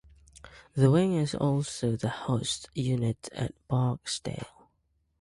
The wing is also the host unit at Barksdale.